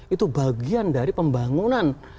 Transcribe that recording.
itu bagian dari pembangunan